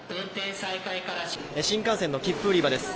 新幹線の切符売り場です。